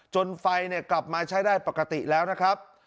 จนไฟกลับมาใช้ได้ปกติแล้วนะครับ